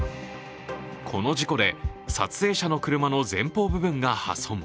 この事故で撮影者の車の前方部分が破損。